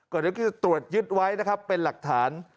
เดี๋ยวจะตรวจยึดไว้นะครับเป็นหลักฐาน